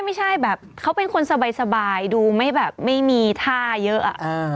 ไม่ใช่แบบเขาเป็นคนสบายดูไม่แบบไม่มีท่าเยอะ